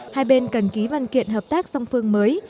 hai bên cần ký văn kiện hợp tác song phương mới